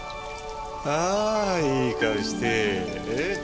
ああいい顔して。